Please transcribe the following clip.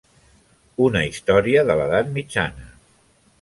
Una història de l'Edat Mitjana.